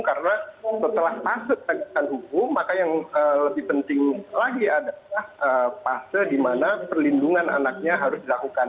karena setelah paset agikan hukum maka yang lebih penting lagi adalah paset di mana perlindungan anaknya harus dilakukan